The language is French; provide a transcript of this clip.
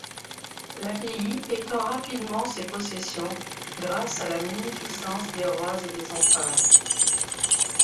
L'abbaye étend rapidement ses possessions grâce à la munificence des rois et des empereurs.